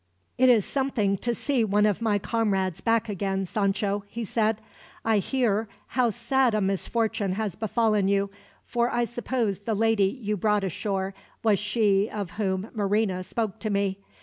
"It is something to see one of my comrades back again, Sancho," he said. "I hear how sad a misfortune has befallen you; for I suppose the lady you brought ashore was she of whom Marina spoke to me.